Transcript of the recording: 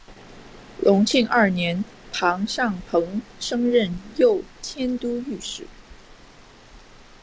隆庆二年庞尚鹏升任右佥都御史。